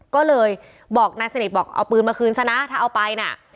ก็เลยบอกนายสนิทบอกเอาปืนมาคืนซะนะถ้าเอาไปน่ะ